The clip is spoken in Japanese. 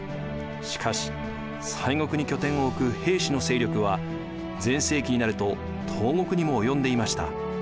しかし西国に拠点を置く平氏の勢力は全盛期になると東国にも及んでいました。